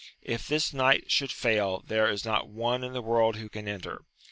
If this knight should fail, there is not one in the world who can enter.